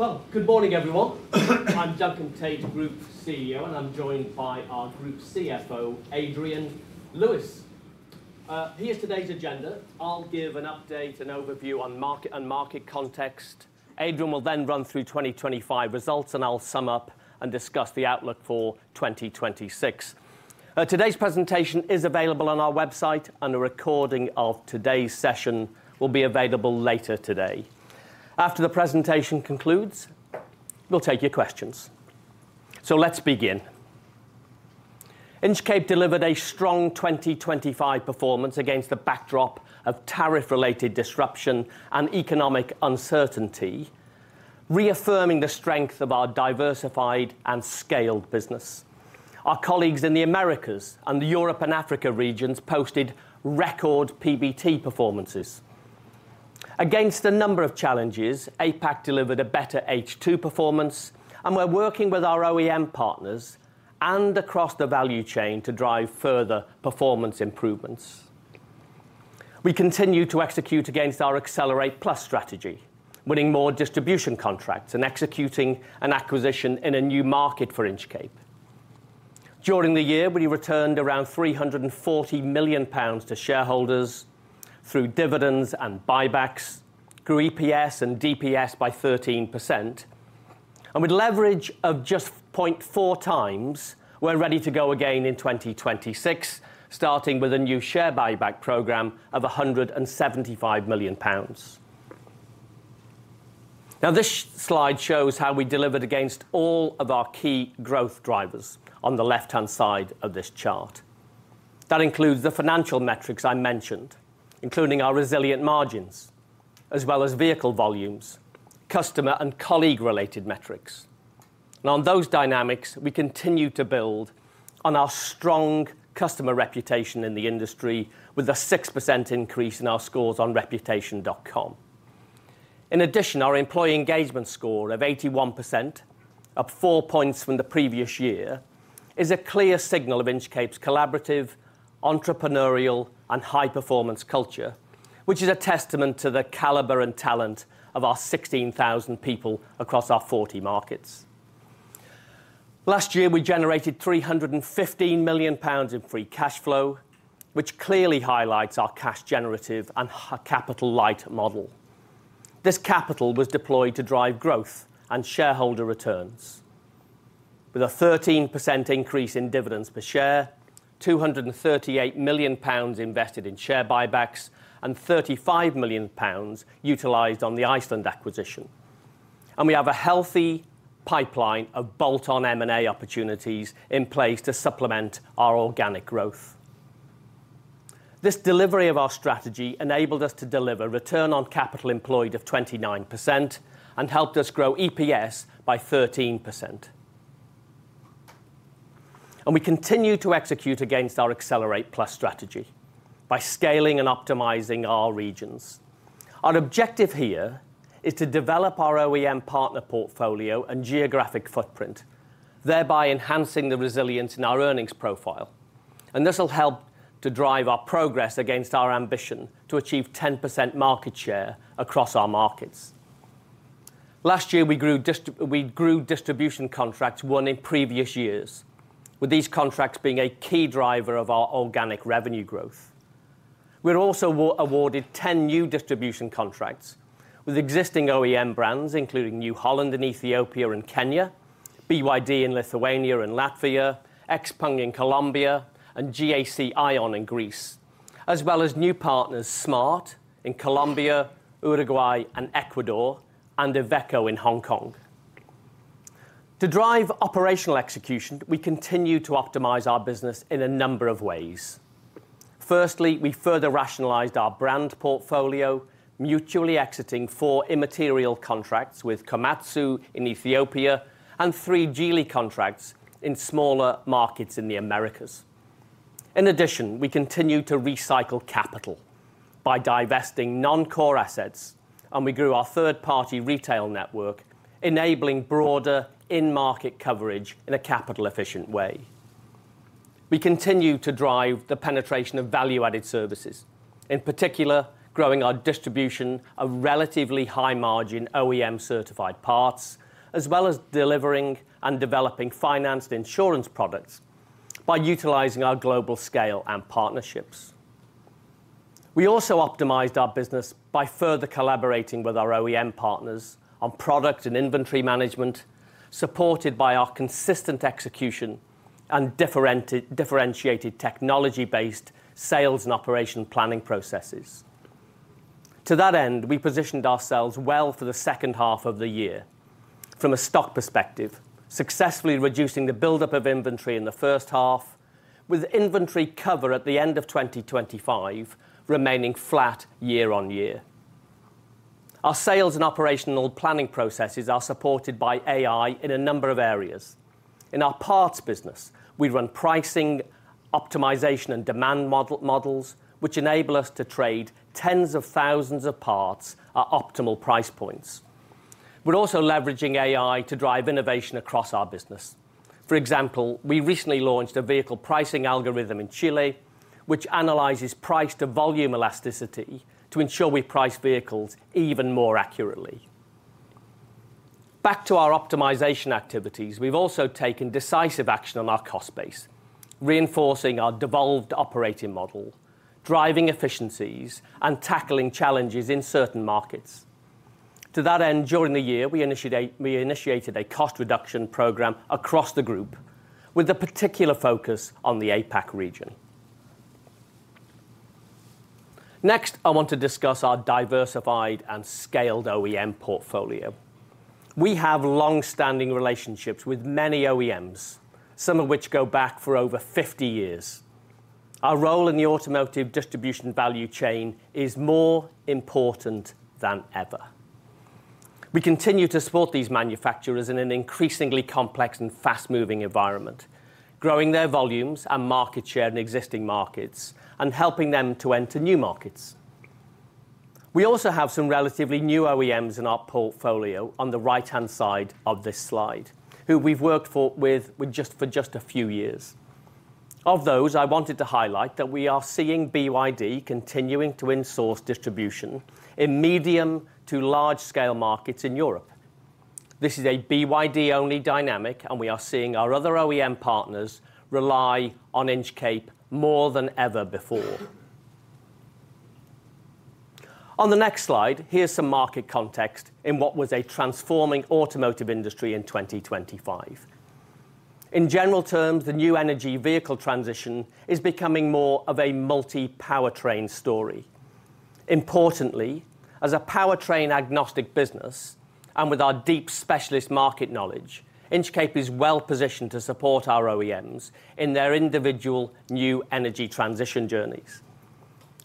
Well, good morning everyone. I'm Duncan Tait, Group CEO, and I'm joined by our Group CFO, Adrian Lewis. Here's today's agenda. I'll give an update and overview on market and market context. Adrian will then run through 2025 results, and I'll sum up and discuss the outlook for 2026. Today's presentation is available on our website, and a recording of today's session will be available later today. After the presentation concludes, we'll take your questions. Let's begin. Inchcape delivered a strong 2025 performance against the backdrop of tariff-related disruption and economic uncertainty, reaffirming the strength of our diversified and scaled business. Our colleagues in the Americas and the Europe and Africa regions posted record PBT performances. Against a number of challenges, APAC delivered a better H2 performance, and we're working with our OEM partners and across the value chain to drive further performance improvements. We continue to execute against our Accelerate Plus strategy, winning more distribution contracts and executing an acquisition in a new market for Inchcape. During the year, we returned around 340 million pounds to shareholders through dividends and buybacks, grew EPS and DPS by 13%. With leverage of just 0.4 times, we're ready to go again in 2026, starting with a new share buyback program of 175 million pounds. This slide shows how we delivered against all of our key growth drivers on the left-hand side of this chart. That includes the financial metrics I mentioned, including our resilient margins as well as vehicle volumes, customer and colleague-related metrics. On those dynamics, we continue to build on our strong customer reputation in the industry with a 6% increase in our scores on Reputation.com. In addition, our employee engagement score of 81%, up 4 points from the previous year, is a clear signal of Inchcape's collaborative, entrepreneurial, and high-performance culture, which is a testament to the caliber and talent of our 16,000 people across our 40 markets. Last year, we generated 315 million pounds in free cash flow, which clearly highlights our cash generative and capital light model. This capital was deployed to drive growth and shareholder returns with a 13% increase in dividends per share, 238 million pounds invested in share buybacks, and 35 million pounds utilized on the Iceland acquisition. We have a healthy pipeline of bolt-on M&A opportunities in place to supplement our organic growth. This delivery of our strategy enabled us to deliver return on capital employed of 29% and helped us grow EPS by 13%. We continue to execute against our Accelerate Plus strategy by scaling and optimizing our regions. Our objective here is to develop our OEM partner portfolio and geographic footprint, thereby enhancing the resilience in our earnings profile. This will help to drive our progress against our ambition to achieve 10% market share across our markets. Last year, we grew distribution contracts won in previous years. With these contracts being a key driver of our organic revenue growth. We're also awarded 10 new distribution contracts with existing OEM brands, including New Holland in Ethiopia and Kenya, BYD in Lithuania and Latvia, XPeng in Colombia, and GAC AION in Greece, as well as new partners smart in Colombia, Uruguay and Ecuador, and Iveco in Hong Kong. To drive operational execution, we continue to optimize our business in a number of ways. Firstly, we further rationalized our brand portfolio, mutually exiting 4 immaterial contracts with Komatsu in Ethiopia and 3 Geely contracts in smaller markets in the Americas. We continue to recycle capital by divesting non-core assets. We grew our third-party retail network, enabling broader in-market coverage in a capital efficient way. We continue to drive the penetration of value-added services, in particular growing our distribution of relatively high margin OEM certified parts, as well as delivering and developing financed insurance products by utilizing our global scale and partnerships. We also optimized our business by further collaborating with our OEM partners on product and inventory management, supported by our consistent execution and differentiated technology-based sales and operation planning processes. To that end, we positioned ourselves well for the second half of the year from a stock perspective, successfully reducing the buildup of inventory in the first half with inventory cover at the end of 2025 remaining flat year-on-year. Our sales and operational planning processes are supported by AI in a number of areas. In our parts business, we run pricing, optimization and demand models which enable us to trade tens of thousands of parts at optimal price points. We're also leveraging AI to drive innovation across our business. For example, we recently launched a vehicle pricing algorithm in Chile which analyzes price to volume elasticity to ensure we price vehicles even more accurately. Back to our optimization activities. We've also taken decisive action on our cost base, reinforcing our devolved operating model, driving efficiencies, and tackling challenges in certain markets. To that end, during the year, we initiated a cost reduction program across the group with a particular focus on the APAC region. I want to discuss our diversified and scaled OEM portfolio. We have long-standing relationships with many OEMs, some of which go back for over 50 years. Our role in the automotive distribution value chain is more important than ever. We continue to support these manufacturers in an increasingly complex and fast-moving environment, growing their volumes and market share in existing markets and helping them to enter new markets. We also have some relatively new OEMs in our portfolio on the right-hand side of this slide, who we've worked with for just a few years. Of those, I wanted to highlight that we are seeing BYD continuing to insource distribution in medium to large-scale markets in Europe. This is a BYD-only dynamic. We are seeing our other OEM partners rely on Inchcape more than ever before. On the next slide, here's some market context in what was a transforming automotive industry in 2025. In general terms, the new energy vehicle transition is becoming more of a multi-powertrain story. Importantly, as a powertrain-agnostic business and with our deep specialist market knowledge, Inchcape is well positioned to support our OEMs in their individual new energy transition journeys.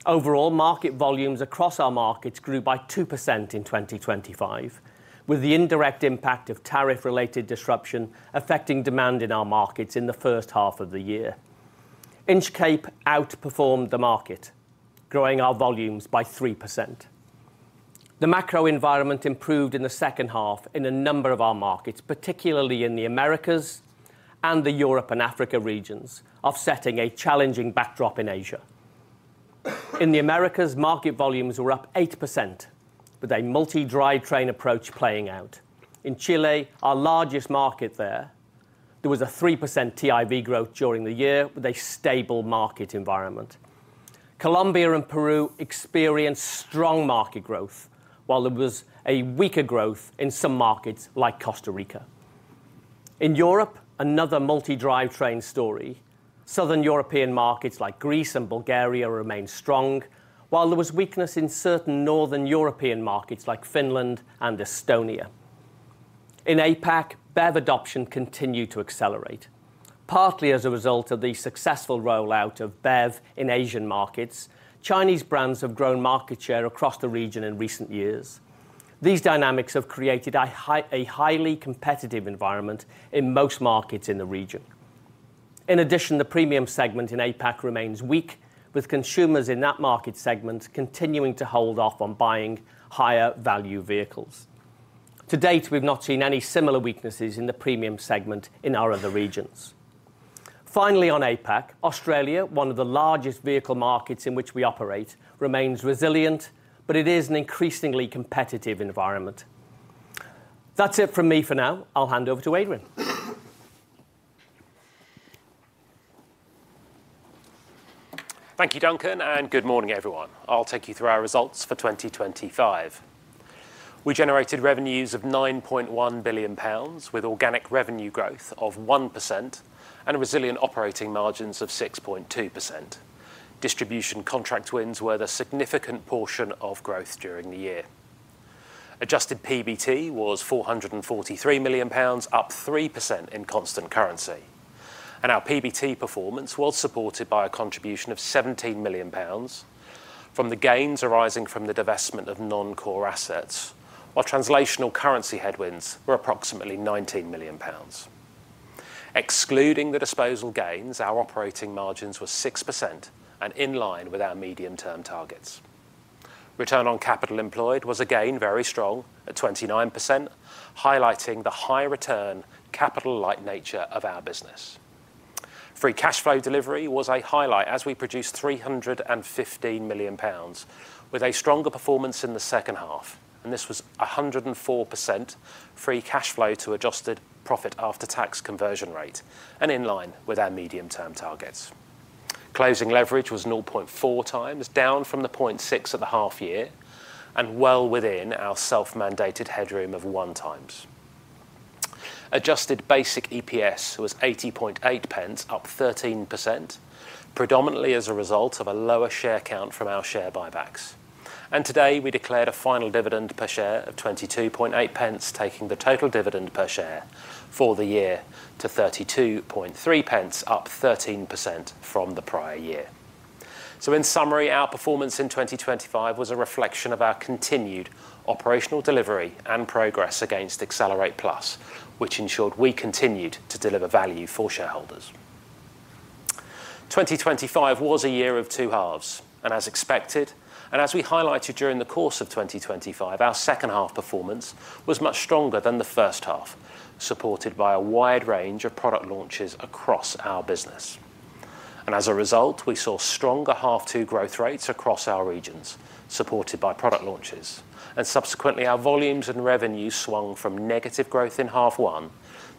Overall, market volumes across our markets grew by 2% in 2025, with the indirect impact of tariff-related disruption affecting demand in our markets in the first half of the year. Inchcape outperformed the market, growing our volumes by 3%. The macro environment improved in the second half in a number of our markets, particularly in the Americas and the Europe and Africa regions, offsetting a challenging backdrop in Asia. In the Americas, market volumes were up 8%, with a multi-drivetrain approach playing out. In Chile, our largest market there was a 3% TIV growth during the year with a stable market environment. Colombia and Peru experienced strong market growth, while there was a weaker growth in some markets like Costa Rica. In Europe, another multi-drivetrain story. Southern European markets like Greece and Bulgaria remained strong, while there was weakness in certain Northern European markets like Finland and Estonia. In APAC, BEV adoption continued to accelerate, partly as a result of the successful rollout of BEV in Asian markets. Chinese brands have grown market share across the region in recent years. These dynamics have created a highly competitive environment in most markets in the region. The premium segment in APAC remains weak, with consumers in that market segment continuing to hold off on buying higher value vehicles. To date, we've not seen any similar weaknesses in the premium segment in our other regions. On APAC, Australia, one of the largest vehicle markets in which we operate, remains resilient, but it is an increasingly competitive environment. That's it from me for now. I'll hand over to Adrian. Thank you, Duncan. Good morning, everyone. I'll take you through our results for 2025. We generated revenues of 9.1 billion pounds, with organic revenue growth of 1% and resilient operating margins of 6.2%. Distribution contract wins were the significant portion of growth during the year. Adjusted PBT was 443 million pounds, up 3% in constant currency. Our PBT performance was supported by a contribution of 17 million pounds from the gains arising from the divestment of non-core assets, while translational currency headwinds were approximately 19 million pounds. Excluding the disposal gains, our operating margins were 6% and in line with our medium-term targets. Return on capital employed was again very strong at 29%, highlighting the high return capital light nature of our business. Free cash flow delivery was a highlight as we produced 315 million pounds with a stronger performance in the second half. This was a 104% free cash flow to adjusted profit after tax conversion rate and in line with our medium-term targets. Closing leverage was 0.4 times, down from 0.6 at the half year and well within our self-mandated headroom of 1 times. Adjusted basic EPS was 0.808, up 13%, predominantly as a result of a lower share count from our share buybacks. Today we declared a final dividend per share of 0.228, taking the total dividend per share for the year to 0.323, up 13% from the prior year. In summary, our performance in 2025 was a reflection of our continued operational delivery and progress against Accelerate Plus, which ensured we continued to deliver value for shareholders. 2025 was a year of two halves, and as expected, and as we highlighted during the course of 2025, our second half performance was much stronger than the first half, supported by a wide range of product launches across our business. As a result, we saw stronger half 2 growth rates across our regions, supported by product launches. Subsequently, our volumes and revenue swung from negative growth in half 1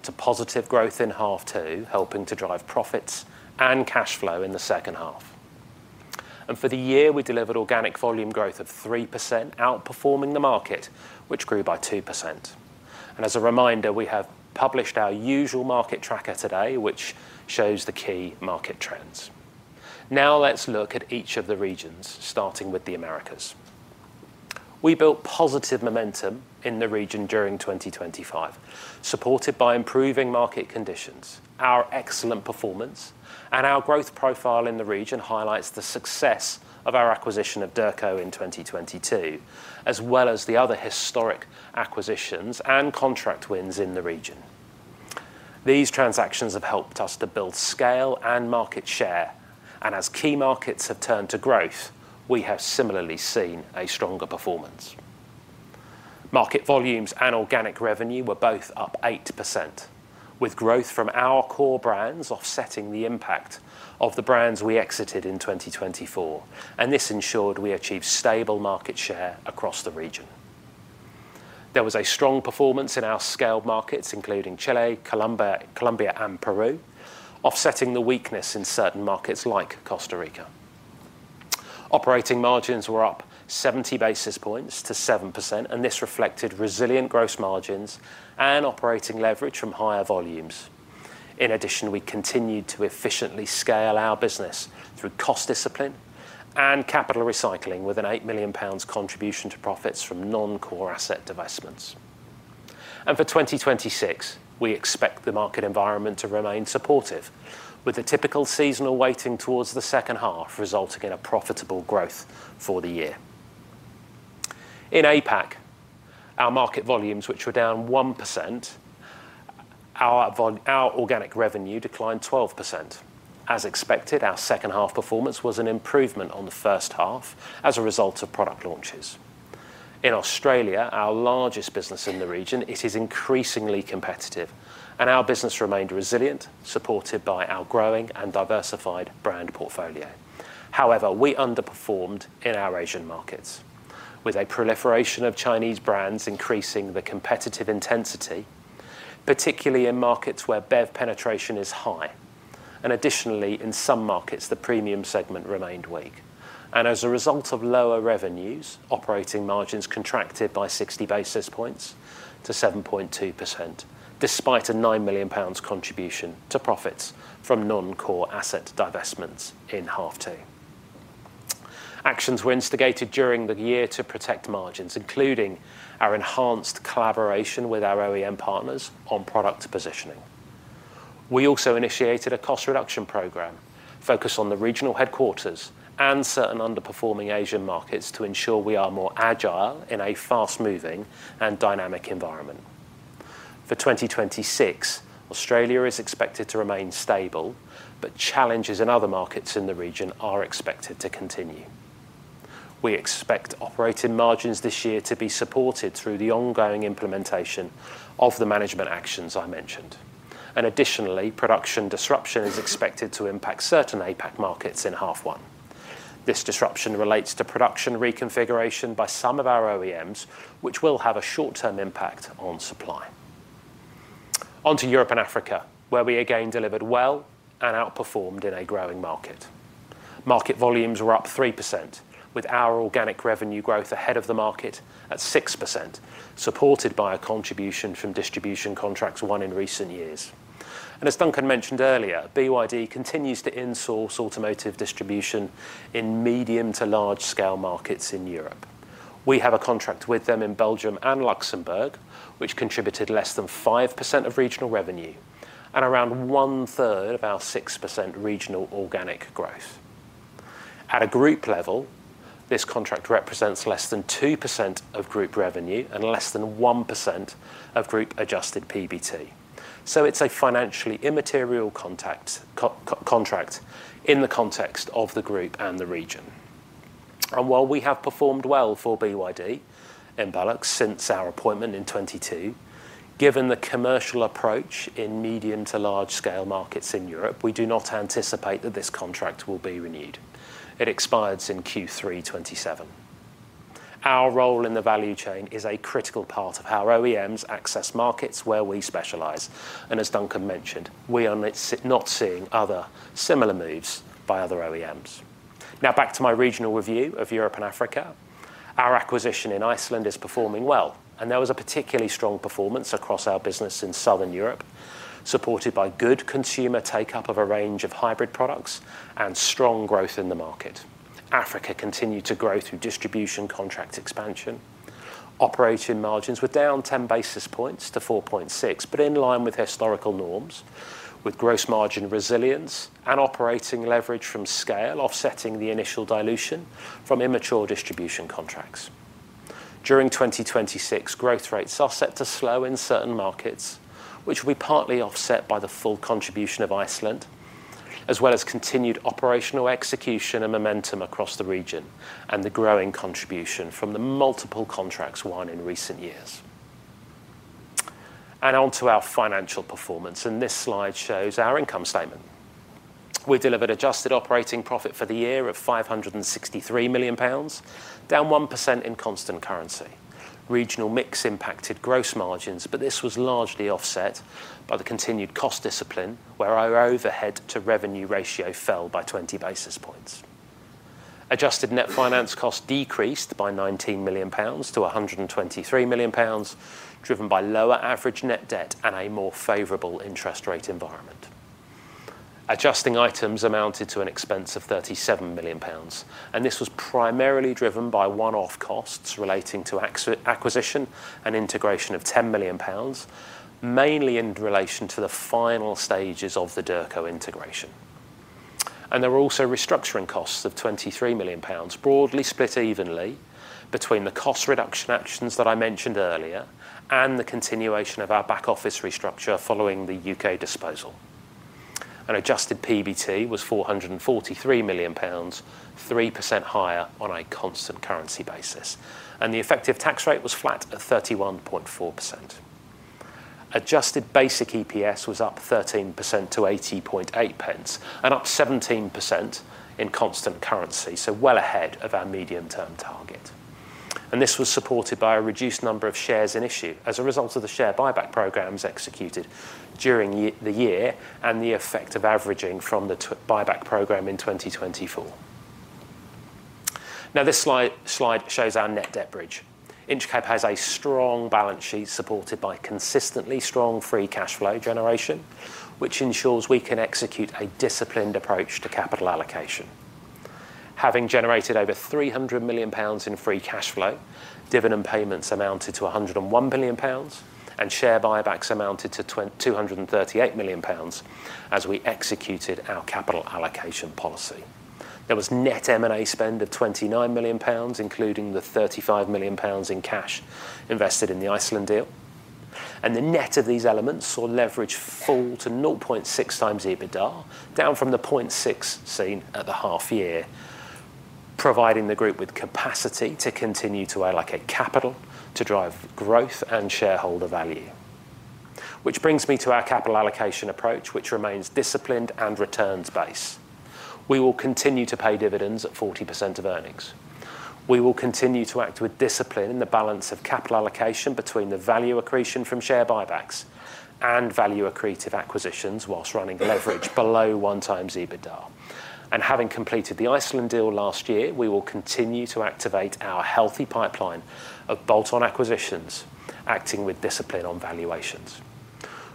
to positive growth in half 2, helping to drive profits and cash flow in the second half. For the year, we delivered organic volume growth of 3%, outperforming the market, which grew by 2%. As a reminder, we have published our usual market tracker today, which shows the key market trends. Let's look at each of the regions, starting with the Americas. We built positive momentum in the region during 2025, supported by improving market conditions. Our excellent performance and our growth profile in the region highlights the success of our acquisition of Derco in 2022, as well as the other historic acquisitions and contract wins in the region. These transactions have helped us to build scale and market share, and as key markets have turned to growth, we have similarly seen a stronger performance. Market volumes and organic revenue were both up 8%, with growth from our core brands offsetting the impact of the brands we exited in 2024, and this ensured we achieved stable market share across the region. There was a strong performance in our scaled markets, including Chile, Colombia, and Peru, offsetting the weakness in certain markets like Costa Rica. Operating margins were up 70 basis points to 7%. This reflected resilient gross margins and operating leverage from higher volumes. In addition, we continued to efficiently scale our business through cost discipline and capital recycling with a 8 million pounds contribution to profits from non-core asset divestments. For 2026, we expect the market environment to remain supportive, with a typical seasonal weighting towards the second half resulting in a profitable growth for the year. In APAC, our market volumes, which were down 1%, our organic revenue declined 12%. As expected, our second half performance was an improvement on the first half as a result of product launches. In Australia, our largest business in the region, it is increasingly competitive and our business remained resilient, supported by our growing and diversified brand portfolio. However, we underperformed in our Asian markets with a proliferation of Chinese brands increasing the competitive intensity, particularly in markets where BEV penetration is high. Additionally, in some markets, the premium segment remained weak. As a result of lower revenues, operating margins contracted by 60 basis points to 7.2%, despite a 9 million pounds contribution to profits from non-core asset divestments in half 2. Actions were instigated during the year to protect margins, including our enhanced collaboration with our OEM partners on product positioning. We also initiated a cost reduction program focused on the regional headquarters and certain underperforming Asian markets to ensure we are more agile in a fast-moving and dynamic environment. For 2026, Australia is expected to remain stable, but challenges in other markets in the region are expected to continue. We expect operating margins this year to be supported through the ongoing implementation of the management actions I mentioned. Additionally, production disruption is expected to impact certain APAC markets in half 1. This disruption relates to production reconfiguration by some of our OEMs, which will have a short-term impact on supply. On to Europe and Africa, where we again delivered well and outperformed in a growing market. Market volumes were up 3%, with our organic revenue growth ahead of the market at 6%, supported by a contribution from distribution contracts won in recent years. As Duncan mentioned earlier, BYD continues to insource automotive distribution in medium to large-scale markets in Europe. We have a contract with them in Belgium and Luxembourg, which contributed less than 5% of regional revenue and around 1/3 of our 6% regional organic growth. At a group level, this contract represents less than 2% of group revenue and less than 1% of group adjusted PBT. It's a financially immaterial contract in the context of the group and the region. While we have performed well for BYD in Benelux since our appointment in 2022, given the commercial approach in medium to large-scale markets in Europe, we do not anticipate that this contract will be renewed. It expires in Q3 2027. Our role in the value chain is a critical part of how OEMs access markets where we specialize. As Duncan mentioned, we are not seeing other similar moves by other OEMs. Now back to my regional review of Europe and Africa. Our acquisition in Iceland is performing well, and there was a particularly strong performance across our business in Southern Europe, supported by good consumer takeup of a range of hybrid products and strong growth in the market. Africa continued to grow through distribution contract expansion. Operating margins were down 10 basis points to 4.6%, but in line with historical norms, with gross margin resilience and operating leverage from scale offsetting the initial dilution from immature distribution contracts. During 2026, growth rates are set to slow in certain markets, which will be partly offset by the full contribution of Iceland, as well as continued operational execution and momentum across the region and the growing contribution from the multiple contracts won in recent years. On to our financial performance, and this slide shows our income statement. We delivered adjusted operating profit for the year of 563 million pounds, down 1% in constant currency. Regional mix impacted gross margins. This was largely offset by the continued cost discipline where our overhead to revenue ratio fell by 20 basis points. Adjusted net finance costs decreased by 19 million pounds to 123 million pounds, driven by lower average net debt and a more favorable interest rate environment. Adjusting items amounted to an expense of 37 million pounds. This was primarily driven by one-off costs relating to acquisition and integration of 10 million pounds, mainly in relation to the final stages of the Derco integration. There were also restructuring costs of 23 million pounds, broadly split evenly between the cost reduction actions that I mentioned earlier and the continuation of our back office restructure following the UK disposal. An adjusted PBT was 443 million pounds, 3% higher on a constant currency basis. The effective tax rate was flat at 31.4%. Adjusted basic EPS was up 13% to 80.8 pence, up 17% in constant currency, well ahead of our medium-term target. This was supported by a reduced number of shares in issue as a result of the share buyback programs executed during the year and the effect of averaging from the buyback program in 2024. This slide shows our net debt bridge. Inchcape has a strong balance sheet supported by consistently strong free cash flow generation, which ensures we can execute a disciplined approach to capital allocation. Having generated over 300 million pounds in free cash flow, dividend payments amounted to 101 billion pounds, share buybacks amounted to 238 million pounds as we executed our capital allocation policy. There was net M&A spend of 29 million pounds, including the 35 million pounds in cash invested in the Iceland deal. The net of these elements saw leverage fall to 0.6x EBITDA, down from the 0.6 seen at the half year, providing the group with capacity to continue to allocate capital to drive growth and shareholder value. Which brings me to our capital allocation approach, which remains disciplined and returns-based. We will continue to pay dividends at 40% of earnings. We will continue to act with discipline in the balance of capital allocation between the value accretion from share buybacks and value accretive acquisitions whilst running leverage below 1 times EBITDA. Having completed the Iceland deal last year, we will continue to activate our healthy pipeline of bolt-on acquisitions, acting with discipline on valuations.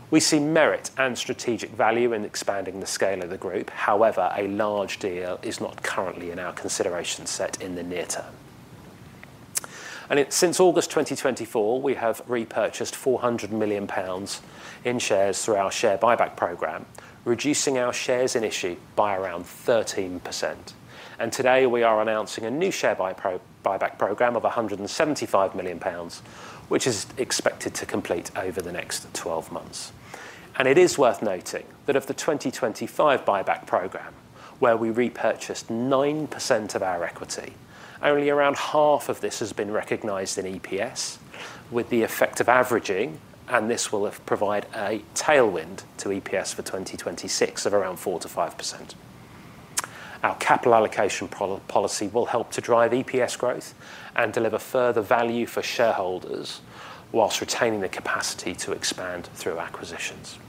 We see merit and strategic value in expanding the scale of the group. However, a large deal is not currently in our consideration set in the near term. Since August 2024, we have repurchased 400 million pounds in shares through our share buyback program, reducing our shares in issue by around 13%. Today, we are announcing a new share buyback program of 175 million pounds, which is expected to complete over the next 12 months. It is worth noting that of the 2025 buyback program, where we repurchased 9% of our equity, only around half of this has been recognized in EPS with the effect of averaging, and this will have provide a tailwind to EPS for 2026 of around 4%-5%. Our capital allocation policy will help to drive EPS growth and deliver further value for shareholders whilst retaining the capacity to expand through acquisitions.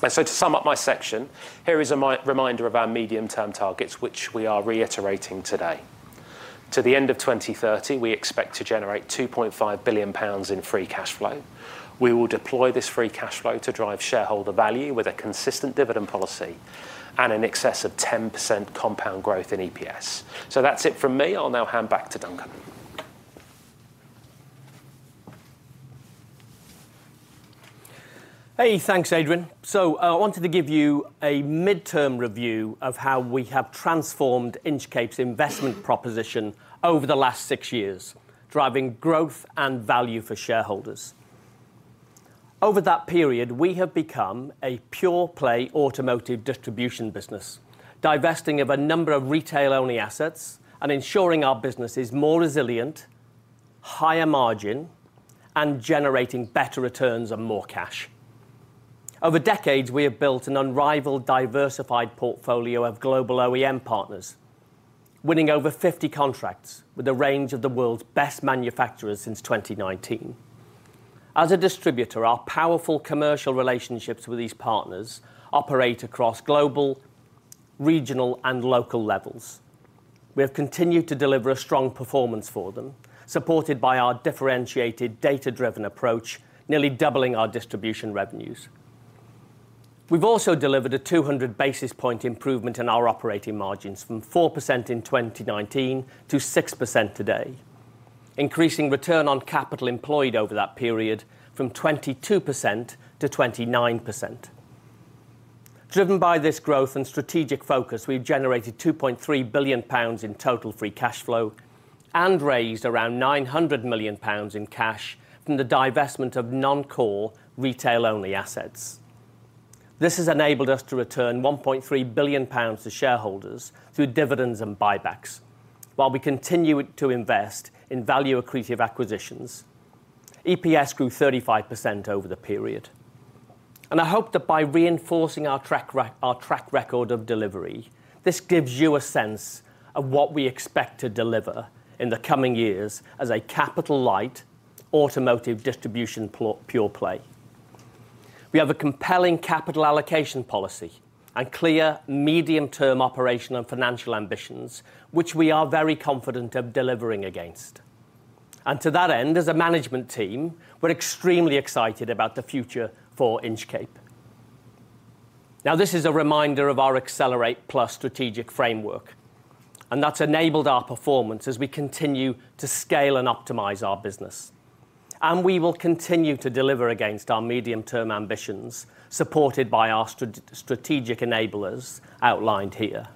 To sum up my section, here is a reminder of our medium-term targets, which we are reiterating today. To the end of 2030, we expect to generate 2.5 billion pounds in free cash flow. We will deploy this free cash flow to drive shareholder value with a consistent dividend policy and in excess of 10% compound growth in EPS. That's it from me. I'll now hand back to Duncan. Hey, thanks, Adrian. I wanted to give you a midterm review of how we have transformed Inchcape's investment proposition over the last six years, driving growth and value for shareholders. Over that period, we have become a pure-play automotive distribution business, divesting of a number of retail-only assets and ensuring our business is more resilient, higher margin, and generating better returns and more cash. Over decades, we have built an unrivaled, diversified portfolio of global OEM partners, winning over 50 contracts with a range of the world's best manufacturers since 2019. As a distributor, our powerful commercial relationships with these partners operate across global, regional, and local levels. We have continued to deliver a strong performance for them, supported by our differentiated data-driven approach, nearly doubling our distribution revenues. We've also delivered a 200 basis point improvement in our operating margins from 4% in 2019 to 6% today, increasing return on capital employed over that period from 22% to 29%. Driven by this growth and strategic focus, we've generated 2.3 billion pounds in total free cash flow and raised around 900 million pounds in cash from the divestment of non-core retail-only assets. This has enabled us to return 1.3 billion pounds to shareholders through dividends and buybacks while we continue to invest in value-accretive acquisitions. EPS grew 35% over the period. I hope that by reinforcing our track record of delivery, this gives you a sense of what we expect to deliver in the coming years as a capital light automotive distribution pure play. We have a compelling capital allocation policy and clear medium-term operational and financial ambitions, which we are very confident of delivering against. To that end, as a management team, we're extremely excited about the future for Inchcape. This is a reminder of our Accelerate Plus strategic framework, and that's enabled our performance as we continue to scale and optimize our business. We will continue to deliver against our medium-term ambitions, supported by our strategic enablers outlined here.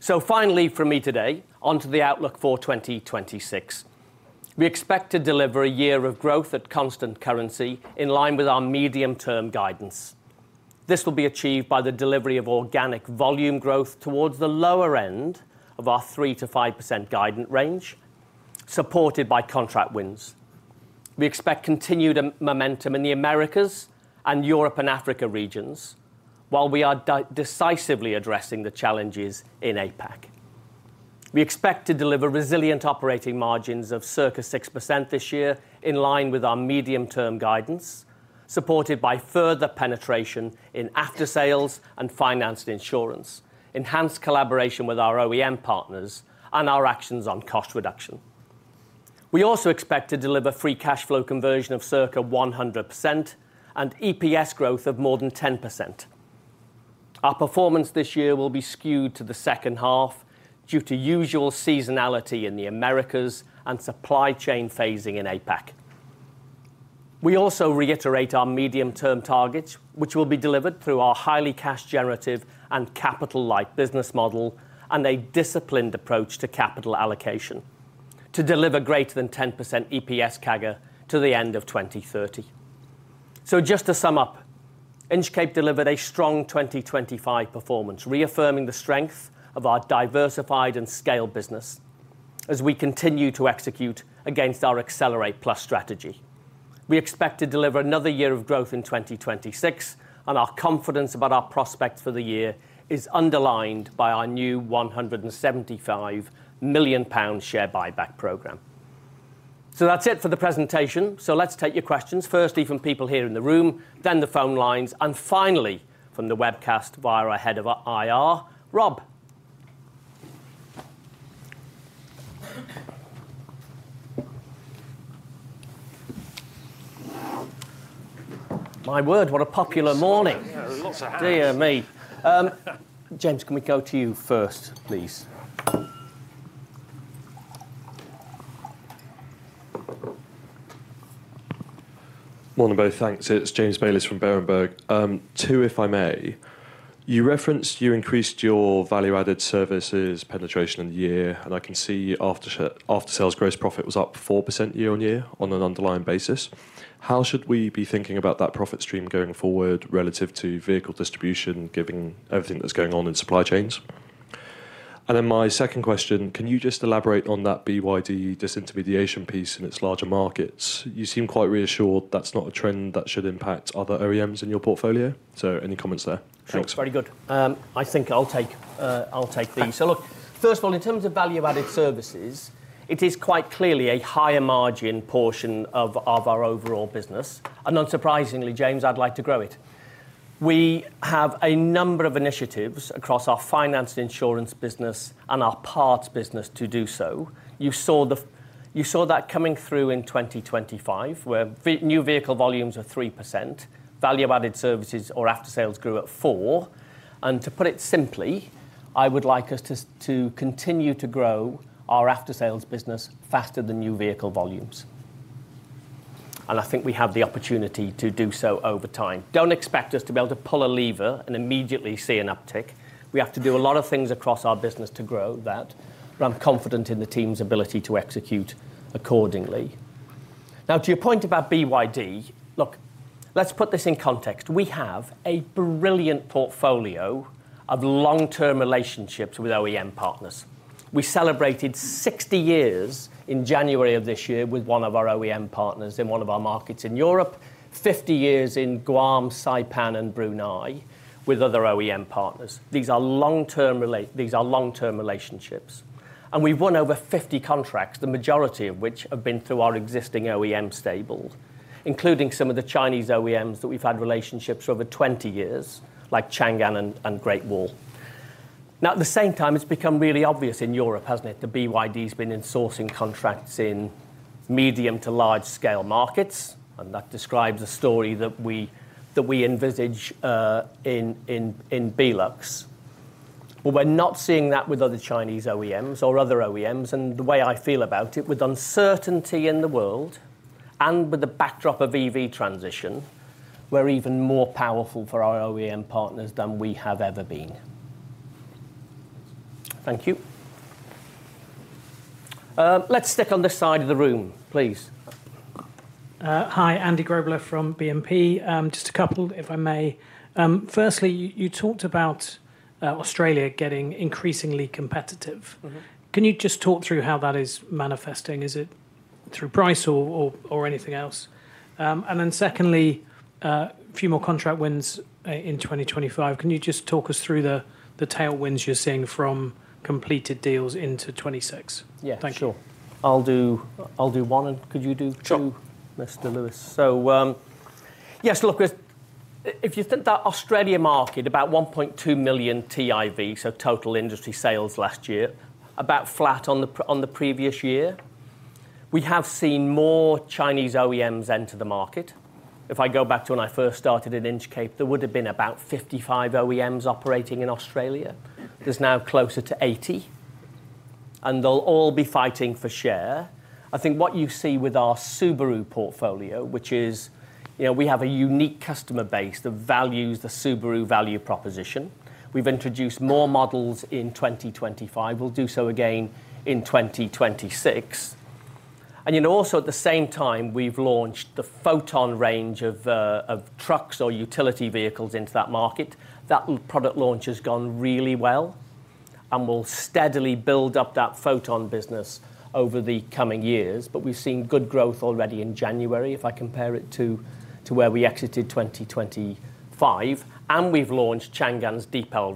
Finally from me today, onto the outlook for 2026. We expect to deliver a year of growth at constant currency in line with our medium-term guidance. This will be achieved by the delivery of organic volume growth towards the lower end of our 3%-5% guidance range, supported by contract wins. We expect continued momentum in the Americas and Europe and Africa regions, while we are decisively addressing the challenges in APAC. We expect to deliver resilient operating margins of circa 6% this year, in line with our medium-term guidance, supported by further penetration in aftersales and finance and insurance, enhanced collaboration with our OEM partners, and our actions on cost reduction. We also expect to deliver free cash flow conversion of circa 100% and EPS growth of more than 10%. Our performance this year will be skewed to the second half due to usual seasonality in the Americas and supply chain phasing in APAC. We also reiterate our medium-term targets, which will be delivered through our highly cash generative and capital light business model and a disciplined approach to capital allocation to deliver greater than 10% EPS CAGR to the end of 2030. Just to sum up, Inchcape delivered a strong 2025 performance, reaffirming the strength of our diversified and scaled business as we continue to execute against our Accelerate Plus strategy. We expect to deliver another year of growth in 2026, and our confidence about our prospects for the year is underlined by our new 175 million pound share buyback program. That's it for the presentation. Let's take your questions, firstly from people here in the room, then the phone lines, and finally from the webcast via our head of IR. Rob. My word, what a popular morning. Yeah, lots of hands. Dear me. James, can we go to you first, please? Morning, both. Thanks. It's James Bayliss from Berenberg. Two, if I may. You referenced you increased your value-added services penetration in the year. I can see aftersales gross profit was up 4% year on year on an underlying basis. How should we be thinking about that profit stream going forward relative to vehicle distribution, giving everything that's going on in supply chains? My second question, can you just elaborate on that BYD disintermediation piece in its larger markets? You seem quite reassured that's not a trend that should impact other OEMs in your portfolio. Any comments there? Thanks. Sure. Very good. I think I'll take, I'll take these. Look, first of all, in terms of value-added services, it is quite clearly a higher margin portion of our overall business. Unsurprisingly, James, I'd like to grow it. We have a number of initiatives across our finance insurance business and our parts business to do so. You saw that coming through in 2025, where new vehicle volumes were 3%. Value-added services or aftersales grew at 4%. To put it simply, I would like us to continue to grow our aftersales business faster than new vehicle volumes. I think we have the opportunity to do so over time. Don't expect us to be able to pull a lever and immediately see an uptick. We have to do a lot of things across our business to grow that, but I'm confident in the team's ability to execute accordingly. To your point about BYD, look, let's put this in context. We have a brilliant portfolio of long-term relationships with OEM partners. We celebrated 60 years in January of this year with one of our OEM partners in one of our markets in Europe. 50 years in Guam, Saipan, and Brunei with other OEM partners. These are long-term relationships. We've won over 50 contracts, the majority of which have been through our existing OEM stable, including some of the Chinese OEMs that we've had relationships for over 20 years, like Changan and Great Wall. At the same time, it's become really obvious in Europe, hasn't it? The BYD's been in sourcing contracts in medium to large scale markets. That describes a story that we envisage in BeLux. We're not seeing that with other Chinese OEMs or other OEMs. The way I feel about it, with uncertainty in the world and with the backdrop of EV transition, we're even more powerful for our OEM partners than we have ever been. Thank you. Let's stick on this side of the room, please. Hi, Andy Grobler from BNP. Just a couple, if I may. Firstly, you talked about Australia getting increasingly competitive. Mm-hmm. Can you just talk through how that is manifesting? Is it through price or anything else? Secondly, a few more contract wins in 2025. Can you just talk us through the tailwinds you're seeing from completed deals into 2026? Yeah, sure. Thank you. I'll do 1, and could you do 2- Sure Mr. Lewis. Yes, look, if you think that Australia market, about 1.2 million TIV, so total industry sales last year, about flat on the previous year. We have seen more Chinese OEMs enter the market. If I go back to when I first started at Inchcape, there would have been about 55 OEMs operating in Australia. There's now closer to 80, and they'll all be fighting for share. I think what you see with our Subaru portfolio, which is, you know, we have a unique customer base that values the Subaru value proposition. We've introduced more models in 2025. We'll do so again in 2026. You know, also at the same time, we've launched the FOTON range of trucks or utility vehicles into that market. That product launch has gone really well. We'll steadily build up that FOTON business over the coming years. We've seen good growth already in January, if I compare it to where we exited 2025. We've launched Changan's Deepal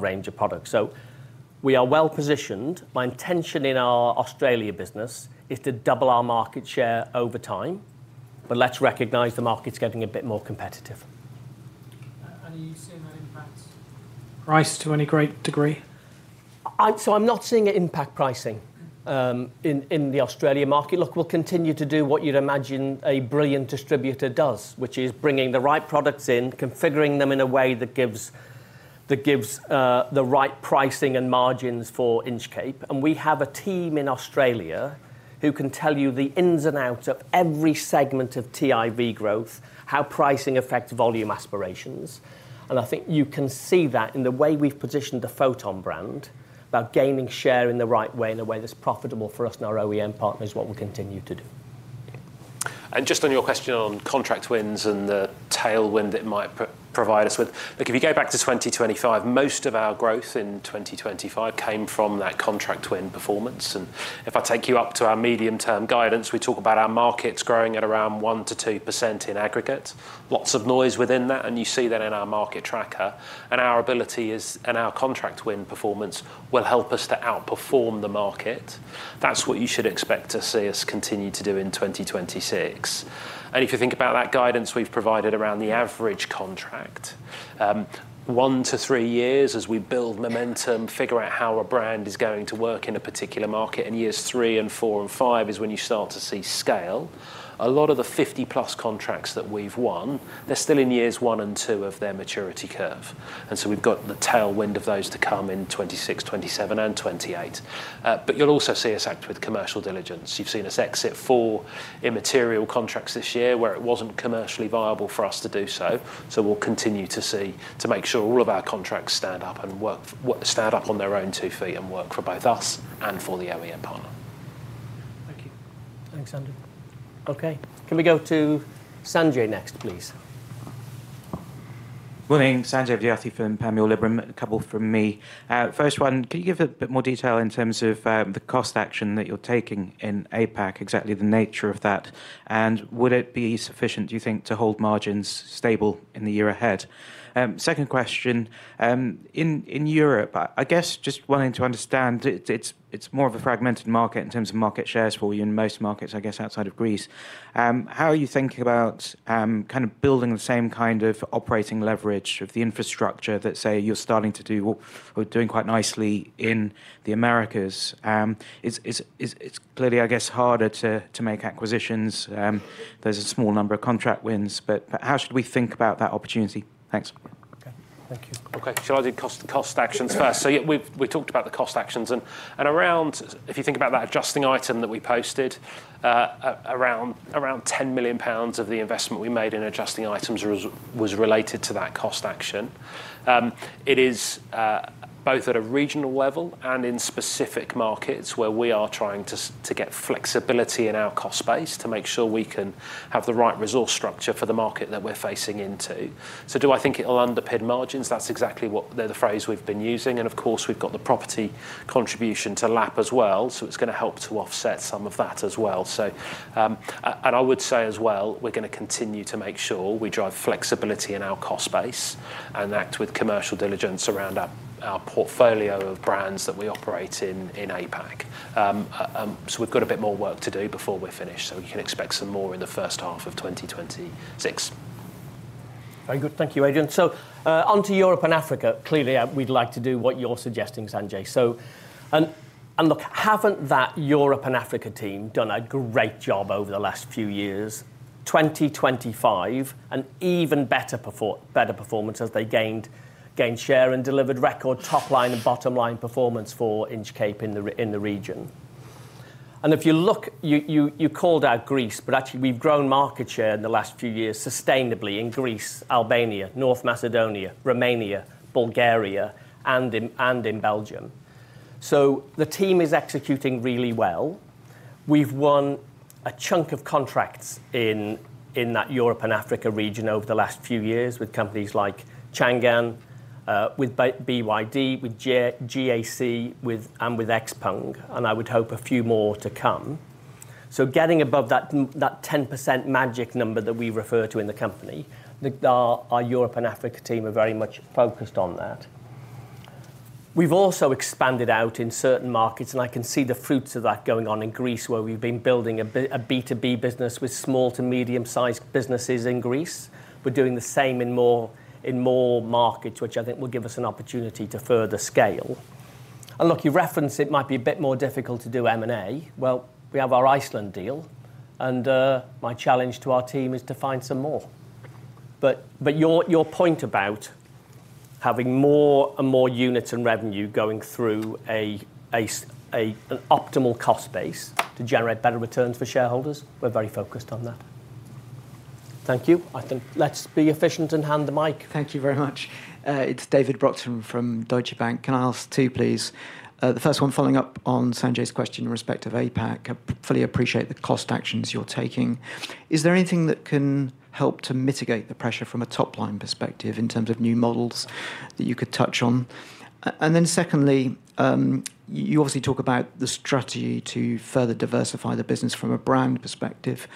range of products. We are well positioned. My intention in our Australia business is to double our market share over time. Let's recognize the market's getting a bit more competitive. Are you seeing that impact price to any great degree? I'm not seeing it impact pricing in the Australia market. Look, we'll continue to do what you'd imagine a brilliant distributor does, which is bringing the right products in, configuring them in a way that gives the right pricing and margins for Inchcape. We have a team in Australia who can tell you the ins and outs of every segment of TIV growth, how pricing affects volume aspirations. I think you can see that in the way we've positioned the FOTON brand, about gaining share in the right way, in a way that's profitable for us and our OEM partners, what we'll continue to do. Just on your question on contract wins and the tailwind it might provide us with. Look, if you go back to 2025, most of our growth in 2025 came from that contract win performance. If I take you up to our medium-term guidance, we talk about our markets growing at around 1% to 2% in aggregate. Lots of noise within that, and you see that in our market tracker. Our ability is, and our contract win performance will help us to outperform the market. That's what you should expect to see us continue to do in 2026. If you think about that guidance we've provided around the average contract, 1-3 years as we build momentum, figure out how a brand is going to work in a particular market, and years 3, 4, and 5 is when you start to see scale. A lot of the 50-plus contracts that we've won, they're still in years 1 and 2 of their maturity curve. We've got the tailwind of those to come in 2026, 2027, and 2028. You'll also see us act with commercial diligence. You've seen us exit 4 immaterial contracts this year where it wasn't commercially viable for us to do so. We'll continue to see, to make sure all of our contracts stand up and work, stand up on their own two feet and work for both us and for the OEM partner. Thank you. Thanks, Andy. Okay, can we go to Sanjay next, please? Morning. Sanjay Vidyarthi from Panmure Gordon. A couple from me. First one, can you give a bit more detail in terms of the cost action that you're taking in APAC, exactly the nature of that? Would it be sufficient, do you think, to hold margins stable in the year ahead? Second question, in Europe, I guess just wanting to understand, it's more of a fragmented market in terms of market shares for you in most markets, I guess, outside of Greece. How are you thinking about kind of building the same kind of operating leverage of the infrastructure that, say, you're starting to do or doing quite nicely in the Americas? It's clearly, I guess, harder to make acquisitions. There's a small number of contract wins, but how should we think about that opportunity? Thanks. Okay. Thank you. Okay. Shall I do cost actions first? Yeah. Yeah, we've talked about the cost actions and around, if you think about that adjusting item that we posted, around 10 million pounds of the investment we made in adjusting items was related to that cost action. It is both at a regional level and in specific markets where we are trying to get flexibility in our cost base to make sure we can have the right resource structure for the market that we're facing into. Do I think it'll underpin margins? That's exactly what the phrase we've been using. Of course, we've got the property contribution to lap as well, so it's gonna help to offset some of that as well. I would say as well, we're gonna continue to make sure we drive flexibility in our cost base and act with commercial diligence around our portfolio of brands that we operate in APAC. We've got a bit more work to do before we're finished, so we can expect some more in the first half of 2026. Very good. Thank you, Adrian. onto Europe and Africa. Clearly, we'd like to do what you're suggesting, Sanjay. look, haven't that Europe and Africa team done a great job over the last few years? 2025, an even better performance as they gained share and delivered record top line and bottom line performance for Inchcape in the region. If you look, you called out Greece, but actually we've grown market share in the last few years sustainably in Greece, Albania, North Macedonia, Romania, Bulgaria, and in Belgium. The team is executing really well. We've won a chunk of contracts in that Europe and Africa region over the last few years with companies like Changan, BYD, GAC, and with XPeng, and I would hope a few more to come. Getting above that 10% magic number that we refer to in the company, our Europe and Africa team are very much focused on that. We've also expanded out in certain markets, and I can see the fruits of that going on in Greece, where we've been building a B2B business with small to medium-sized businesses in Greece. We're doing the same in more markets, which I think will give us an opportunity to further scale. Look, you referenced it might be a bit more difficult to do M&A. We have our Iceland deal, my challenge to our team is to find some more. Your point about having more and more units and revenue going through an optimal cost base to generate better returns for shareholders. We're very focused on that. Thank you. I think let's be efficient and hand the mic. Thank you very much. It's David Brockton from Deutsche Bank. Can I ask two, please? The first one following up on Sanjay's question in respect of APAC. Appreciate the cost actions you're taking. Is there anything that can help to mitigate the pressure from a top-line perspective in terms of new models that you could touch on? Secondly, you obviously talk about the strategy to further diversify the business from a brand perspective,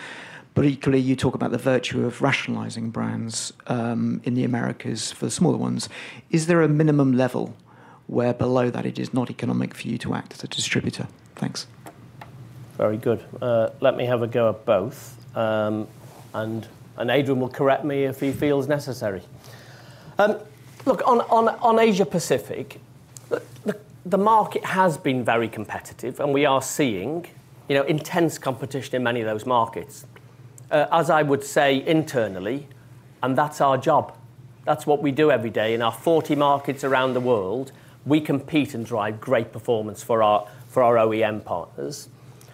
but equally, you talk about the virtue of rationalizing brands in the Americas for the smaller ones. Is there a minimum level where below that it is not economic for you to act as a distributor? Thanks. Very good. Let me have a go at both, and Adrian will correct me if he feels necessary. Look, on Asia Pacific, the market has been very competitive, and we are seeing, you know, intense competition in many of those markets. As I would say internally, and that's our job, that's what we do every day. In our 40 markets around the world, we compete and drive great performance for our OEM partners.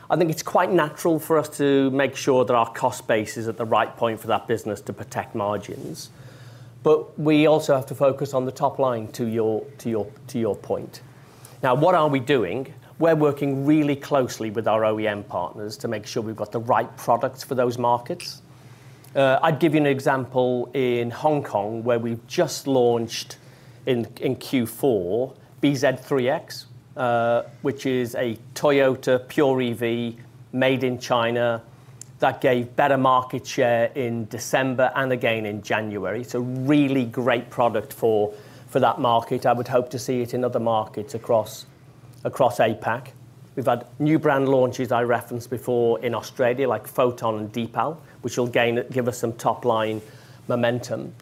I think it's quite natural for us to make sure that our cost base is at the right point for that business to protect margins. We also have to focus on the top line to your point. What are we doing? We're working really closely with our OEM partners to make sure we've got the right products for those markets. I'd give you an example in Hong Kong, where we've just launched in Q4, bZ3X, which is a Toyota pure EV made in China that gave better market share in December and again in January. It's a really great product for that market. I would hope to see it in other markets across APAC. We've had new brand launches I referenced before in Australia, like FOTON and Deepal, which will give us some top-line momentum.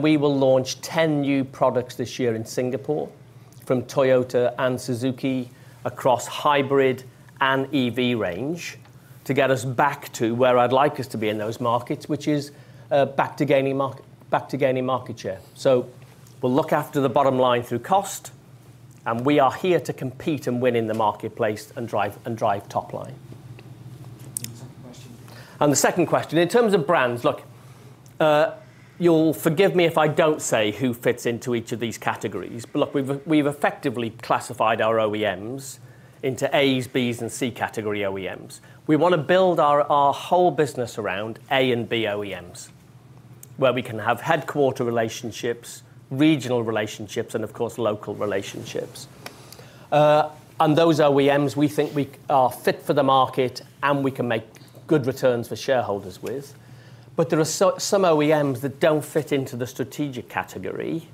We will launch 10 new products this year in Singapore from Toyota and Suzuki across hybrid and EV range to get us back to where I'd like us to be in those markets, which is back to gaining market share. we'll look after the bottom line through cost, and we are here to compete and win in the marketplace and drive top line. Second question. The second question, in terms of brands, look, you'll forgive me if I don't say who fits into each of these categories. Look, we've effectively classified our OEMs into As, Bs, and C category OEMs. We wanna build our whole business around A and B OEMs, where we can have headquarter relationships, regional relationships, and of course, local relationships. Those OEMs, we think we are fit for the market, and we can make good returns for shareholders with. There are some OEMs that don't fit into the strategic category,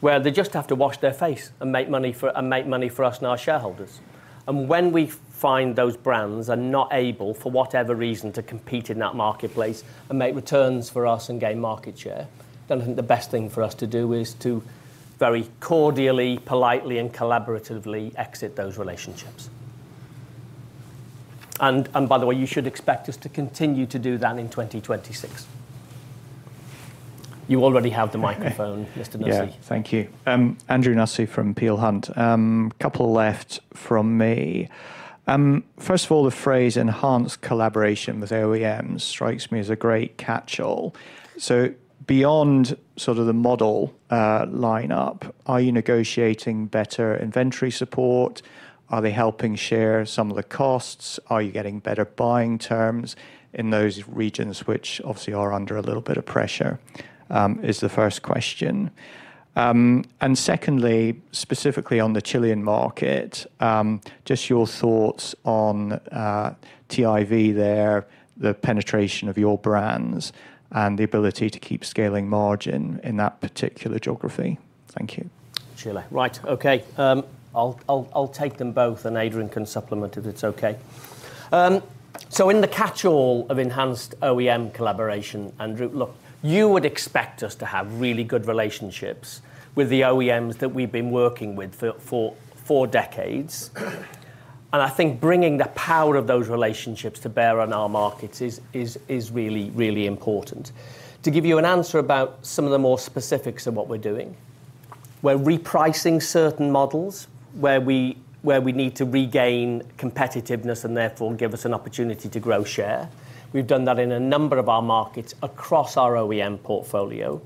where they just have to wash their face and make money for us and our shareholders. When we find those brands are not able, for whatever reason, to compete in that marketplace and make returns for us and gain market share, then I think the best thing for us to do is to very cordially, politely, and collaboratively exit those relationships. By the way, you should expect us to continue to do that in 2026. You already have the microphone, Mr. Nussey. Yeah. Thank you. Andrew Nussey from Peel Hunt. Couple left from me. First of all, the phrase enhanced collaboration with OEMs strikes me as a great catch-all. Beyond sort of the model line up, are you negotiating better inventory support? Are they helping share some of the costs? Are you getting better buying terms in those regions which obviously are under a little bit of pressure? Is the first question. Secondly, specifically on the Chilean market, just your thoughts on TIV there, the penetration of your brands, and the ability to keep scaling margin in that particular geography. Thank you. Chile. Right. Okay. I'll take them both, and Adrian can supplement if it's okay. In the catch-all of enhanced OEM collaboration, Andrew, look, you would expect us to have really good relationships with the OEMs that we've been working with for decades. I think bringing the power of those relationships to bear on our markets is really, really important. To give you an answer about some of the more specifics of what we're doing. We're repricing certain models where we need to regain competitiveness and therefore give us an opportunity to grow share. We've done that in a number of our markets across our OEM portfolio.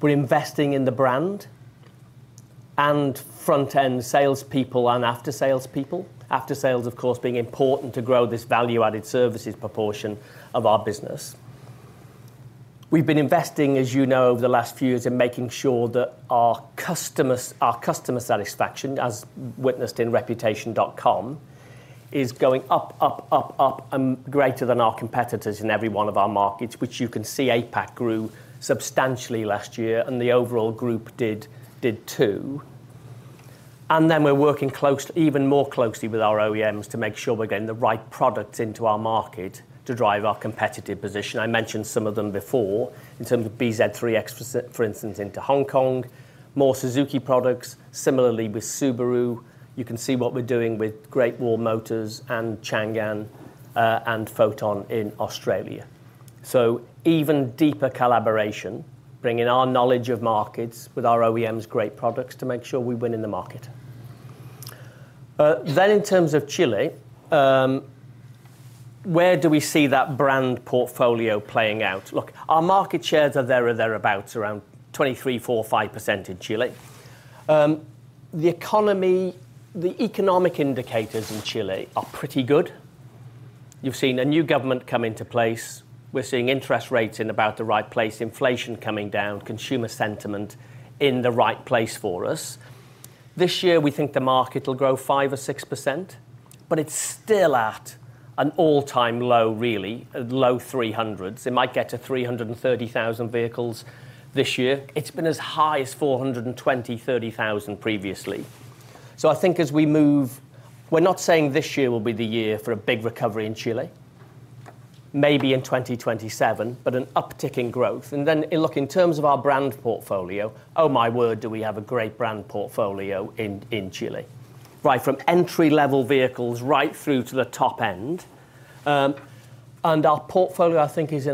We're investing in the brand and front-end salespeople and after sales people. After sales, of course, being important to grow this value-added services proportion of our business. We've been investing, as you know, over the last few years in making sure that our customers, our customer satisfaction, as witnessed in Reputation.com, is going up, up and greater than our competitors in every one of our markets, which you can see APAC grew substantially last year, and the overall group did too. We're working even more closely with our OEMs to make sure we're getting the right products into our market to drive our competitive position. I mentioned some of them before in terms of bZ3X, for instance, into Hong Kong, more Suzuki products. Similarly with Subaru, you can see what we're doing with Great Wall Motors and Changan and FOTON in Australia. Even deeper collaboration, bringing our knowledge of markets with our OEMs great products to make sure we win in the market. In terms of Chile, where do we see that brand portfolio playing out? Look, our market shares are there or thereabouts, around 23, 4, 5% in Chile. The economic indicators in Chile are pretty good. You've seen a new government come into place. We're seeing interest rates in about the right place, inflation coming down, consumer sentiment in the right place for us. This year, we think the market will grow 5% or 6%, but it's still at an all-time low, really, low 300s. It might get to 330,000 vehicles this year. It's been as high as 420,000, 30,000 previously. I think as we move, we're not saying this year will be the year for a big recovery in Chile, maybe in 2027, but an uptick in growth. Look, in terms of our brand portfolio, oh, my word, do we have a great brand portfolio in Chile. Right from entry-level vehicles right through to the top end. And our portfolio, I think is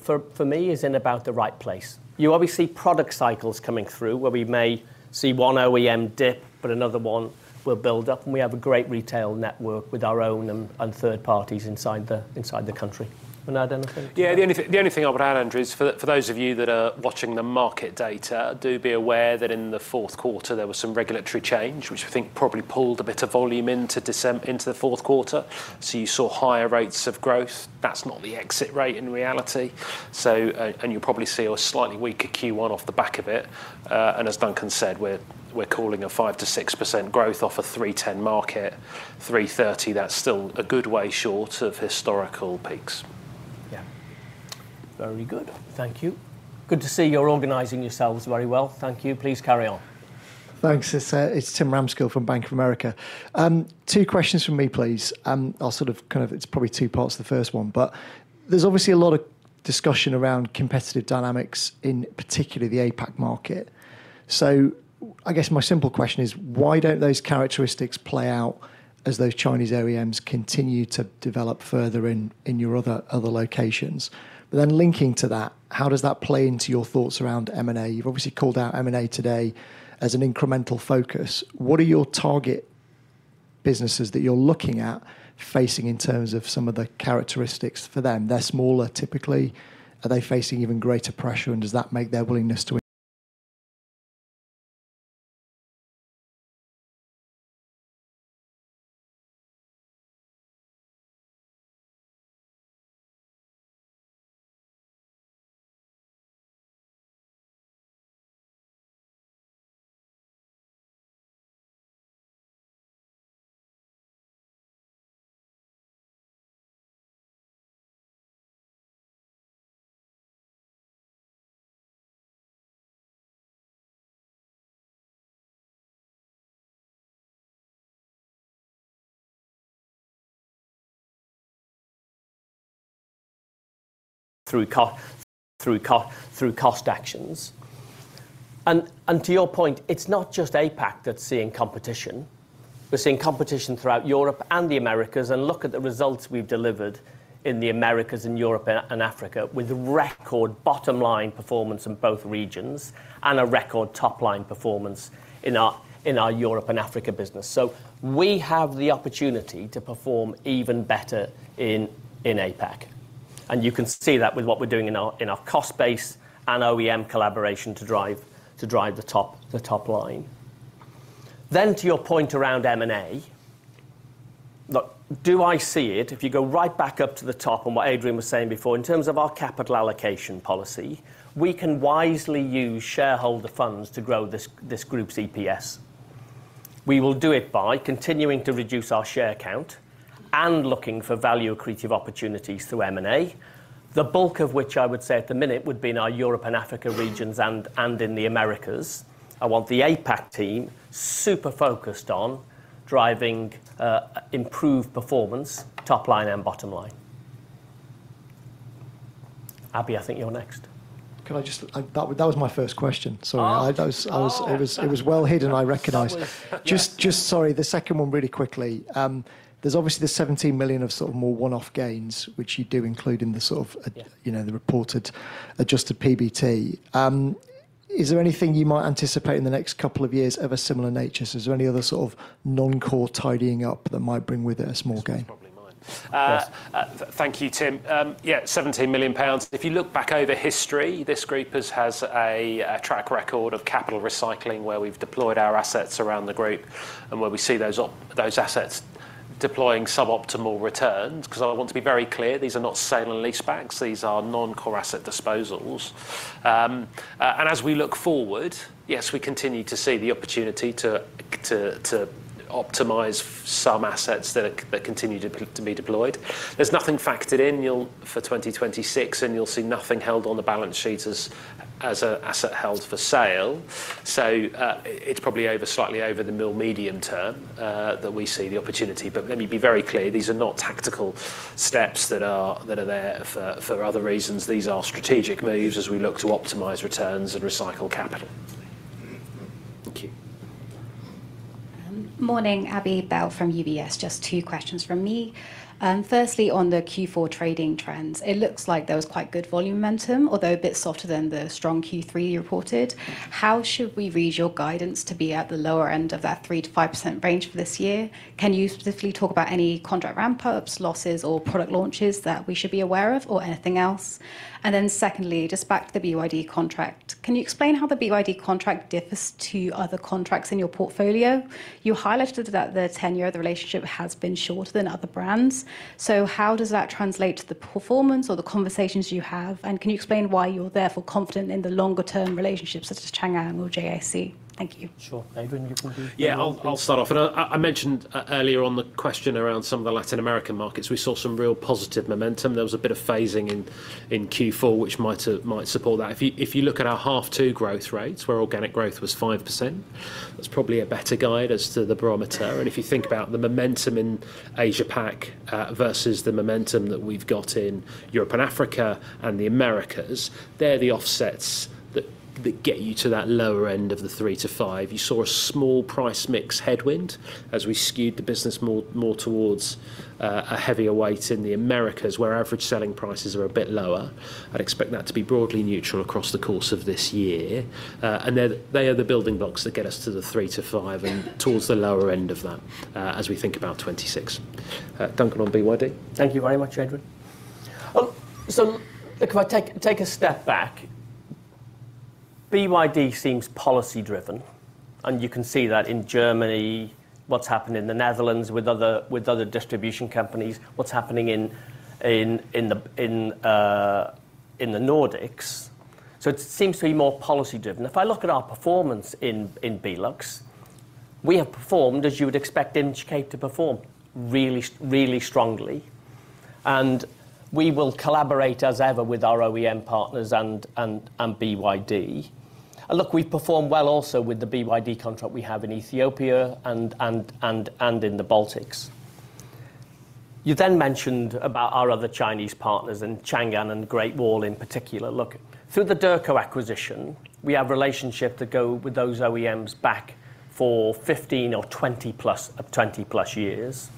for me, is in about the right place. You obviously product cycles coming through where we may see one OEM dip, but another one will build up. And we have a great retail network with our own and third parties inside the country. Add anything. Yeah. The only thing I would add, Andrew, is for those of you that are watching the market data, do be aware that in the fourth quarter, there was some regulatory change which we think probably pulled a bit of volume into the fourth quarter. You saw higher rates of growth. That's not the exit rate in reality. You probably see a slightly weaker Q1 off the back of it. As Duncan said, we're calling a 5%-6% growth off a 310 market, 330. That's still a good way short of historical peaks. Yeah. Very good. Thank you. Good to see you're organizing yourselves very well. Thank you. Please carry on. Thanks. It's Tim Ramskill from Bank of America. 2 questions from me, please. I'll sort of, kind of it's probably 2 parts to the first one, but there's obviously a lot of discussion around competitive dynamics, in particular the APAC market. I guess my simple question is, why don't those characteristics play out as those Chinese OEMs continue to develop further in your other locations? Linking to that, how does that play into your thoughts around M&A? You've obviously called out M&A today as an incremental focus. What are your target businesses that you're looking at facing in terms of some of the characteristics for them? They're smaller, typically. Are they facing even greater pressure? Does that make their willingness to- Through cost actions. To your point, it's not just APAC that's seeing competition. We're seeing competition throughout Europe and the Americas, and look at the results we've delivered in the Americas and Europe and Africa with record bottom line performance in both regions and a record top line performance in our Europe and Africa business. We have the opportunity to perform even better in APAC. You can see that with what we're doing in our cost base and OEM collaboration to drive the top line. To your point around M&A. Look, do I see it? If you go right back up to the top on what Adrian was saying before, in terms of our capital allocation policy, we can wisely use shareholder funds to grow this group's EPS. We will do it by continuing to reduce our share count and looking for value accretive opportunities through M&A, the bulk of which I would say at the minute would be in our Europe and Africa regions and in the Americas. I want the APAC team super focused on driving improved performance, top line and bottom line. Abby, I think you're next. That was my first question. Sorry. Oh. I was, I was- Oh. It was well hidden, I recognize. That was. Yeah. Just sorry. The second one really quickly. There's obviously the 17 million of sort of more one-off gains, which you do include in the sort of. Yeah... you know, the reported adjusted PBT. Is there anything you might anticipate in the next couple of years of a similar nature? Is there any other sort of non-core tidying up that might bring with it a small gain? This is probably mine. Yes. Thank you, Tim. Yeah, 17 million pounds. If you look back over history, this group has a track record of capital recycling where we've deployed our assets around the group and where we see those assets deploying sub-optimal returns, 'cause I want to be very clear, these are not sale and leasebacks. These are non-core asset disposals. And as we look forward, yes, we continue to see the opportunity to optimize some assets that continue to be deployed. There's nothing factored in, you'll for 2026, and you'll see nothing held on the balance sheet as a asset held for sale. It's probably over, slightly over the mill medium term that we see the opportunity. Let me be very clear, these are not tactical steps that are there for other reasons. These are strategic moves as we look to optimize returns and recycle capital. Thank you. Morning. Abi Bell from UBS. Just two questions from me. Firstly, on the Q4 trading trends, it looks like there was quite good volume momentum, although a bit softer than the strong Q3 you reported. How should we read your guidance to be at the lower end of that 3%-5% range for this year? Can you specifically talk about any contract ramp-ups, losses, or product launches that we should be aware of or anything else? Secondly, just back to the BYD contract. Can you explain how the BYD contract differs to other contracts in your portfolio? You highlighted that the tenure of the relationship has been shorter than other brands. How does that translate to the performance or the conversations you have? Can you explain why you're therefore confident in the longer-term relationships such as Changan or JAC? Thank you. Sure. Adrian, you want to? Yeah. I'll start off. I mentioned earlier on the question around some of the Latin American markets, we saw some real positive momentum. There was a bit of phasing in Q4, which might might support that. If you, if you look at our half two growth rates where organic growth was 5%, that's probably a better guide as to the barometer. If you think about the momentum in Asia Pac versus the momentum that we've got in Europe and Africa and the Americas, they're the offsets that get you to that lower end of the 3%-5%. You saw a small price mix headwind as we skewed the business more, more towards a heavier weight in the Americas where average selling prices are a bit lower. I'd expect that to be broadly neutral across the course of this year. They are the building blocks that get us to the three to five and towards the lower end of that, as we think about 2026. Duncan on BYD. Thank you very much, Adrian. look, if I take a step back, BYD seems policy-driven, and you can see that in Germany, what's happened in the Netherlands with other, with other distribution companies, what's happening in the Nordics. It seems to be more policy-driven. If I look at our performance in BeLux, we have performed, as you would expect Inchcape to perform, really, really strongly. We will collaborate as ever with our OEM partners and BYD. look, we've performed well also with the BYD contract we have in Ethiopia and in the Baltics. You mentioned about our other Chinese partners and Changan and Great Wall in particular. Look, through the Derco acquisition, we have relationships that go with those OEMs back for 15 or 20-plus years.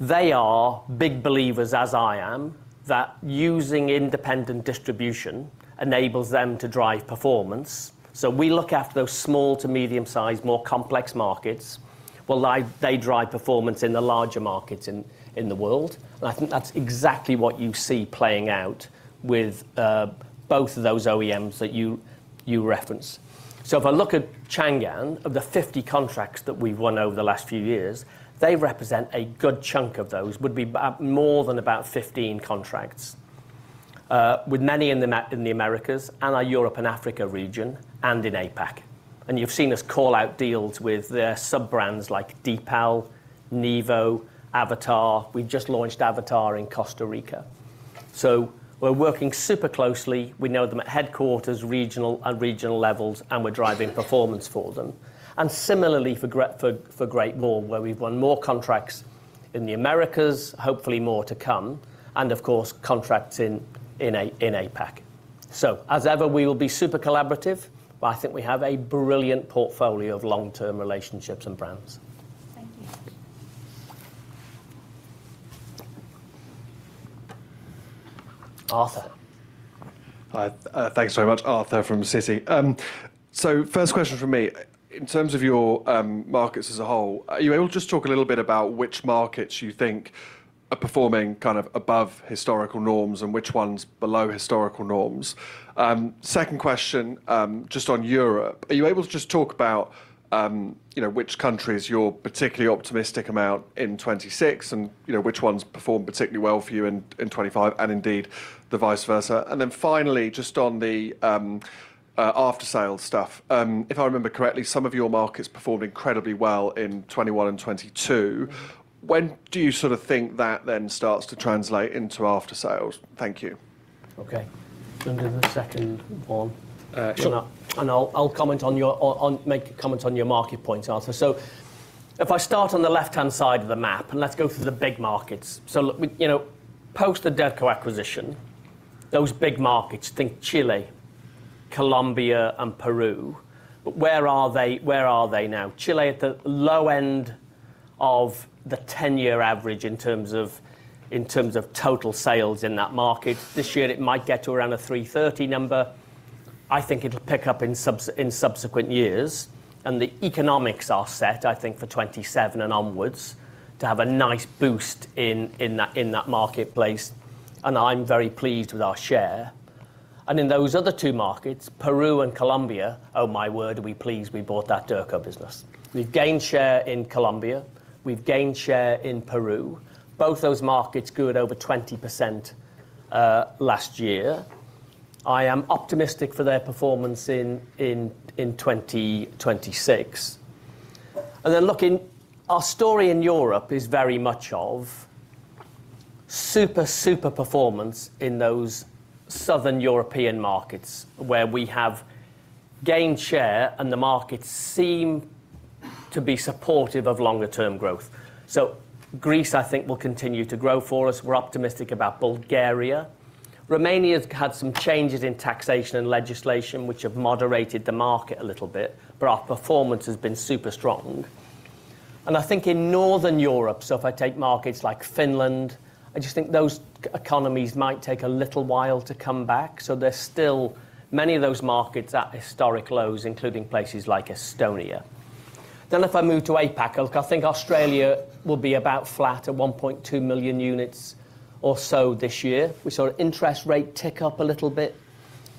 They are big believers, as I am, that using independent distribution enables them to drive performance. We look after those small to medium-sized, more complex markets, while they drive performance in the larger markets in the world. I think that's exactly what you see playing out with both of those OEMs that you reference. If I look at Changan, of the 50 contracts that we've won over the last few years, they represent a good chunk of those. Would be more than about 15 contracts with many in the Americas and our Europe and Africa region and in APAC. You've seen us call out deals with their sub-brands like Deepal, Nevo, Avatr. We just launched Avatr in Costa Rica. We're working super closely. We know them at headquarters, regional, at regional levels, and we're driving performance for them. similarly for Great Wall, where we've won more contracts in the Americas, hopefully more to come, and of course, contracts in APAC. as ever, we will be super collaborative, but I think we have a brilliant portfolio of long-term relationships and brands. Thank you. Arthur. Hi. Thanks very much. Arthur from Citi. First question from me. In terms of your markets as a whole, are you able to just talk a little bit about which markets you think are performing kind of above historical norms and which ones below historical norms? Second question, just on Europe. Are you able to just talk about, you know, which countries you're particularly optimistic about in 2026 and, you know, which ones performed particularly well for you in 2025 and indeed the vice versa? Finally, just on the after-sales stuff. If I remember correctly, some of your markets performed incredibly well in 2021 and 2022. When do you sort of think that then starts to translate into after-sales? Thank you. Okay. Duncan, the second one. Sure. I'll comment on your make comments on your market points, Arthur. If I start on the left-hand side of the map, and let's go through the big markets. Look, we, you know, post the Derco acquisition, those big markets, think Chile, Colombia and Peru, where are they now? Chile at the low end of the 10-year average in terms of total sales in that market. This year, it might get to around a 330 number. I think it'll pick up in subsequent years. The economics are set, I think, for 2027 and onwards to have a nice boost in that marketplace, and I'm very pleased with our share. In those other two markets, Peru and Colombia, oh my word, are we pleased we bought that Derco business. We've gained share in Colombia. We've gained share in Peru. Both those markets grew at over 20% last year. I am optimistic for their performance in 2026. Our story in Europe is very much of super performance in those Southern European markets, where we have gained share, and the markets seem to be supportive of longer term growth. Greece, I think, will continue to grow for us. We're optimistic about Bulgaria. Romania's had some changes in taxation and legislation, which have moderated the market a little bit, but our performance has been super strong. I think in Northern Europe, if I take markets like Finland, I just think those economies might take a little while to come back. There's still many of those markets at historic lows, including places like Estonia. If I move to APAC, look, I think Australia will be about flat at 1.2 million units or so this year. We saw an interest rate tick up a little bit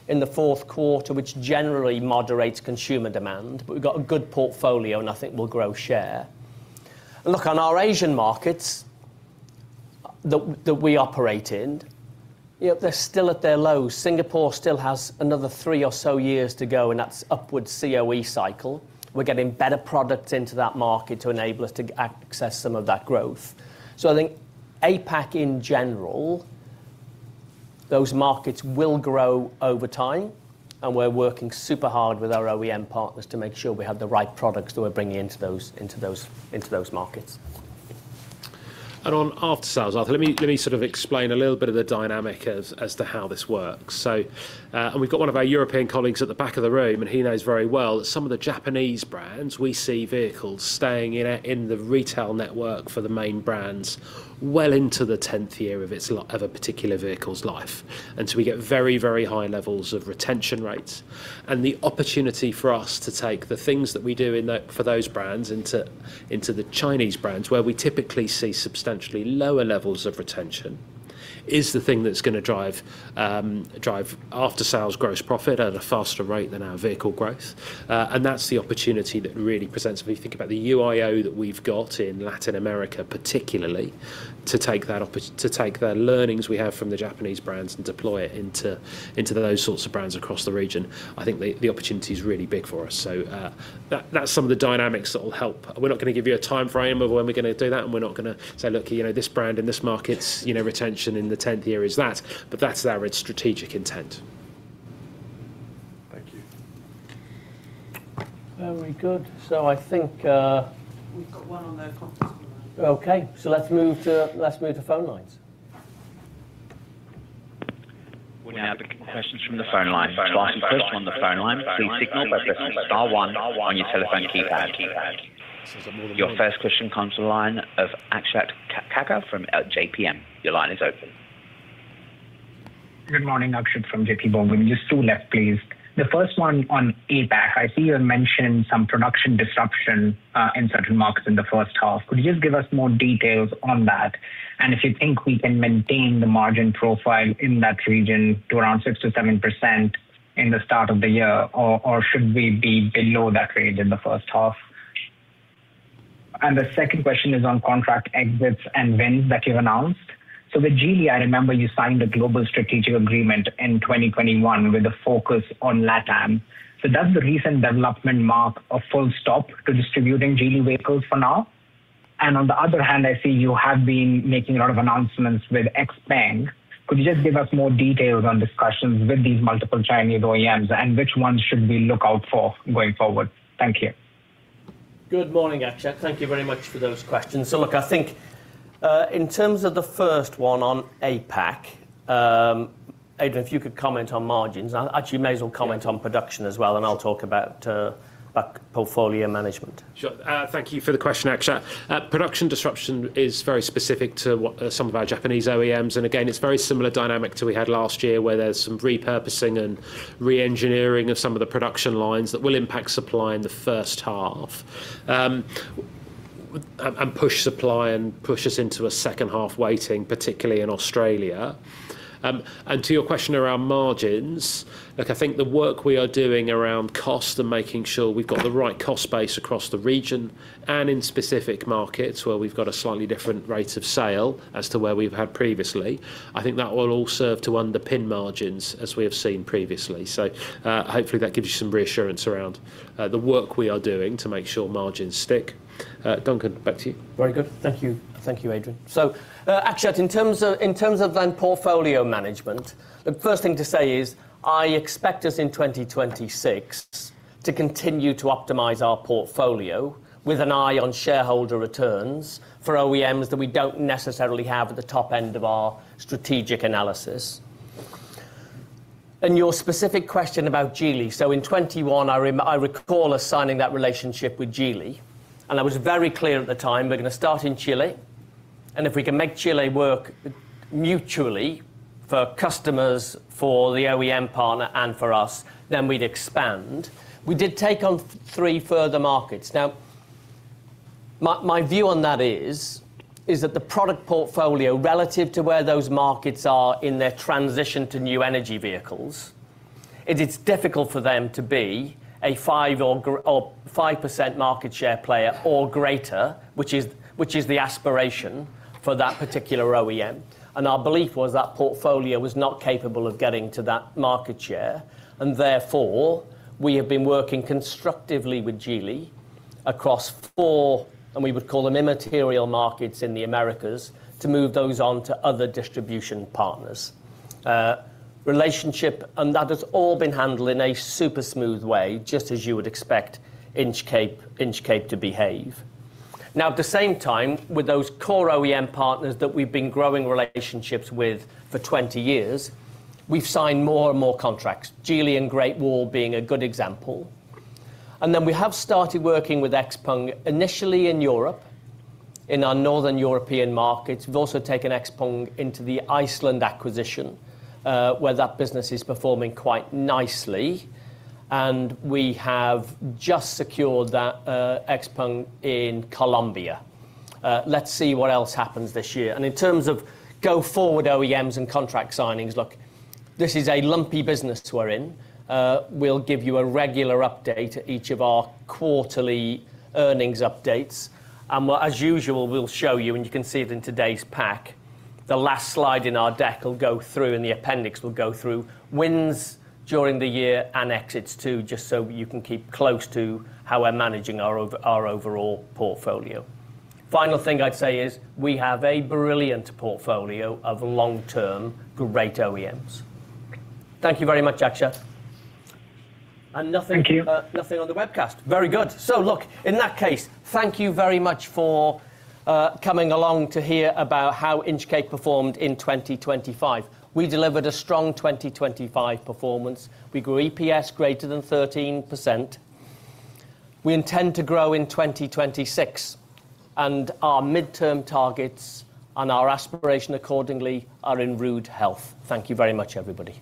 in the fourth quarter, which generally moderates consumer demand. We've got a good portfolio, and I think we'll grow share. Look, on our Asian markets that we operate in, you know, they're still at their lows. Singapore still has another three or so years to go, and that's upward COE cycle. We're getting better products into that market to enable us to access some of that growth. I think APAC in general, those markets will grow over time, and we're working super hard with our OEM partners to make sure we have the right products that we're bringing into those markets. On aftersales, Arthur, let me sort of explain a little bit of the dynamic as to how this works. We've got one of our European colleagues at the back of the room, he knows very well that some of the Japanese brands, we see vehicles staying in the retail network for the main brands well into the tenth year of a particular vehicle's life. We get very high levels of retention rates. The opportunity for us to take the things that we do for those brands into the Chinese brands, where we typically see substantially lower levels of retention, is the thing that's gonna drive aftersales gross profit at a faster rate than our vehicle growth. That's the opportunity that really presents. If you think about the UIO that we've got in Latin America, particularly, to take the learnings we have from the Japanese brands and deploy it into those sorts of brands across the region, I think the opportunity is really big for us. That's some of the dynamics that will help. We're not gonna give you a timeframe of when we're gonna do that, and we're not gonna say, "Look, you know, this brand in this market's, you know, retention in the tenth year is that," but that's our strategic intent. Thank you. Very good. I think, We've got one on the conference line. Okay. Let's move to phone lines. We now have the questions from the phone line. To ask a question on the phone line, please signal by pressing star 1 on your telephone keypad. Your first question comes from the line of Akshat Kacker from JPM. Your line is open. Good morning. Akshat from J.P. Morgan. Just two left, please. The first one on APAC. I see you mentioned some production disruption in certain markets in the first half. Could you just give us more details on that? If you think we can maintain the margin profile in that region to around 6%-7% in the start of the year or should we be below that range in the first half? The second question is on contract exits and wins that you've announced. With Geely, I remember you signed a global strategic agreement in 2021 with a focus on LATAM. Does the recent development mark a full stop to distributing Geely vehicles for now? On the other hand, I see you have been making a lot of announcements with XPeng. Could you just give us more details on discussions with these multiple Chinese OEMs and which ones should we look out for going forward? Thank you. Good morning, Akshat. Thank you very much for those questions. Look, I think, in terms of the first one on APAC, Adrian, if you could comment on margins. Actually, you may as well comment on production as well, and I'll talk about portfolio management. Sure. Thank you for the question, Akshat. Production disruption is very specific to what some of our Japanese OEMs. Again, it's a very similar dynamic to we had last year, where there's some repurposing and re-engineering of some of the production lines that will impact supply in the first half, and push supply and push us into a second half waiting, particularly in Australia. To your question around margins, look, I think the work we are doing around cost and making sure we've got the right cost base across the region and in specific markets where we've got a slightly different rate of sale as to where we've had previously, I think that will all serve to underpin margins as we have seen previously. Hopefully, that gives you some reassurance around the work we are doing to make sure margins stick. Duncan, back to you. Very good. Thank you. Thank you, Adrian. Akshat, in terms of then portfolio management, the first thing to say is I expect us in 2026 to continue to optimize our portfolio with an eye on shareholder returns for OEMs that we don't necessarily have at the top end of our strategic analysis. Your specific question about Geely. In 2021, I recall us signing that relationship with Geely, and I was very clear at the time, we're gonna start in Chile, and if we can make Chile work mutually for customers, for the OEM partner, and for us, then we'd expand. We did take on three further markets. Now, my view on that is that the product portfolio relative to where those markets are in their transition to new energy vehicles, it is difficult for them to be a 5 or 5% market share player or greater, which is the aspiration for that particular OEM. Our belief was that portfolio was not capable of getting to that market share, and therefore, we have been working constructively with Geely across 4, and we would call them immaterial markets in the Americas, to move those on to other distribution partners. Relationship, that has all been handled in a super smooth way, just as you would expect Inchcape to behave. Now, at the same time, with those core OEM partners that we've been growing relationships with for 20 years, we've signed more and more contracts, Geely and Great Wall being a good example. Then we have started working with XPeng, initially in Europe, in our northern European markets. We've also taken XPeng into the Iceland acquisition, where that business is performing quite nicely. We have just secured that XPeng in Colombia. Let's see what else happens this year. In terms of go forward OEMs and contract signings, look, this is a lumpy business we're in. We'll give you a regular update at each of our quarterly earnings updates. As usual, we'll show you, and you can see it in today's pack, the last slide in our deck will go through, and the appendix will go through wins during the year and exits too, just so you can keep close to how we're managing our overall portfolio. Final thing I'd say is we have a brilliant portfolio of long-term great OEMs. Thank you very much, Akshat. Thank you. Nothing on the webcast. Very good. In that case, thank you very much for coming along to hear about how Inchcape performed in 2025. We delivered a strong 2025 performance. We grew EPS greater than 13%. We intend to grow in 2026, and our midterm targets and our aspiration accordingly are in rude health. Thank you very much, everybody.